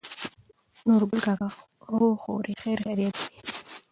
نورګل کاکا: هو خورې خېرخېرت دى.